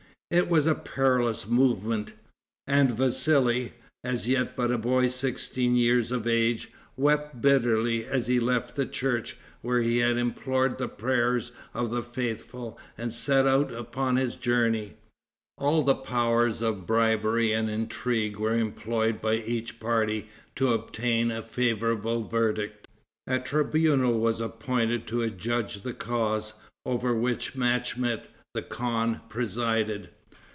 It was a perilous movement, and Vassali, as yet but a boy sixteen years of age, wept bitterly as he left the church, where he had implored the prayers of the faithful, and set out upon his journey. All the powers of bribery and intrigue were employed by each party to obtain a favorable verdict. A tribunal was appointed to adjudge the cause, over which Machmet, the khan, presided.